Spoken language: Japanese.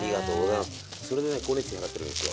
それでね光熱費払ってるんですよ。